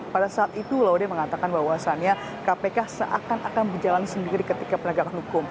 pada saat itu laude mengatakan bahwasannya kpk seakan akan berjalan sendiri ketika penegakan hukum